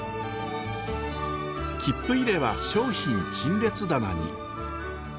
切符入れは商品陳列棚に。